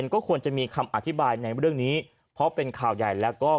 ก็ควรจะมีคำอธิบายในเรื่องนี้เพราะเป็นข่าวใหญ่แล้วก็